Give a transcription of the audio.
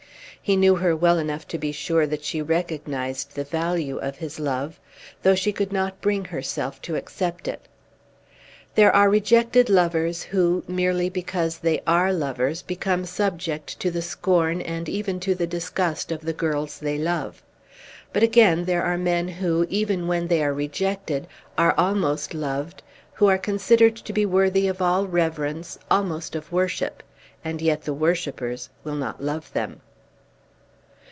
He knew her well enough to be sure that she recognised the value of his love though she could not bring herself to accept it. There are rejected lovers who, merely because they are lovers, become subject to the scorn and even to the disgust of the girls they love. But again there are men who, even when they are rejected, are almost loved, who are considered to be worthy of all reverence, almost of worship; and yet the worshippers will not love them.